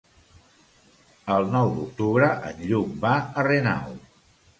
El nou d'octubre en Lluc va a Renau.